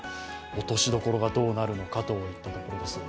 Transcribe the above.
落としどころがどうなるのかといったところです。